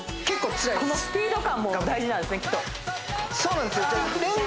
結構ツライこのスピード感も大事なんですね